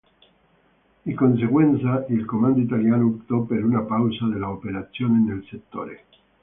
Di conseguenza, il comando italiano optò per una pausa delle operazioni nel settore.